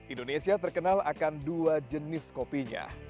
indonesia terkenal akan dua jenis kopinya